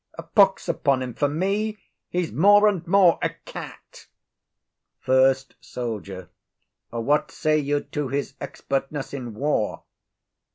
A pox upon him for me, he's more and more a cat. FIRST SOLDIER. What say you to his expertness in war?